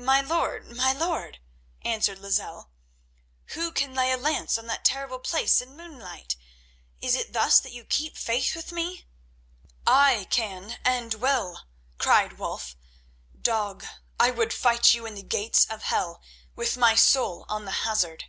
"My lord, my lord," answered Lozelle, "who can lay a lance on that terrible place in moonlight? Is it thus that you keep faith with me?" "I can and will!" cried Wulf. "Dog, I would fight you in the gates of hell, with my soul on the hazard."